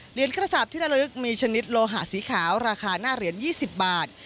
กระสาปที่ระลึกมีชนิดโลหะสีขาวราคาหน้าเหรียญ๒๐บาท